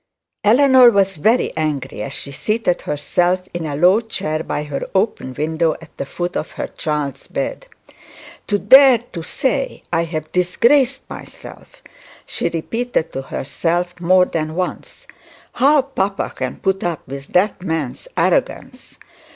Eleanor was very angry as she seated herself in a low chair by her open window at the foot of her child's bed. 'To dare to say that I have disgraced myself,' she repeated to herself more than once. 'How papa can put up with that man's arrogance!